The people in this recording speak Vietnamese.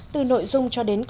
từ nội dung cho đến công tác